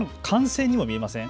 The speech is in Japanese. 艦船にも見えません？